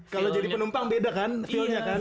kalau jadi penumpang beda kan feelnya kan